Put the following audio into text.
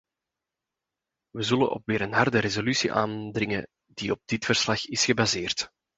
Wij zullen op weer een harde resolutie aandringen die op dit verslag is gebaseerd.